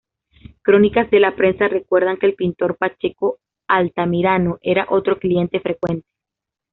Crónicas de la prensa recuerdan que el pintor Pacheco Altamirano era otro cliente frecuente.